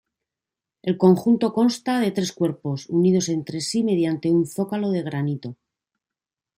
El conjunto consta de tres cuerpos, unidos entre sí mediante un zócalo de granito.